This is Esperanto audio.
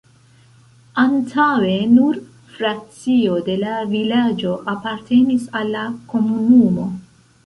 Antaŭe nur frakcio de la vilaĝo apartenis al la komunumo.